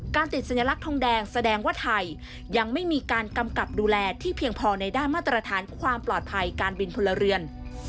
ติดสัญลักษณ์ทองแดงแสดงว่าไทยยังไม่มีการกำกับดูแลที่เพียงพอในด้านมาตรฐานความปลอดภัยการบินพลเรือน